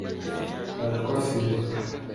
ratwa singizwa